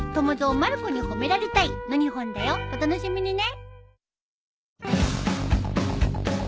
お楽しみにね。